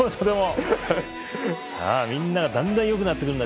みんな、だんだんよくなってくるんだ